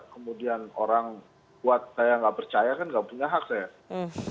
masa kemudian orang buat saya tidak percaya kan tidak punya hak saya